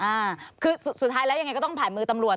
อ่าคือสุดท้ายแล้วยังไงก็ต้องผ่านมือตำรวจ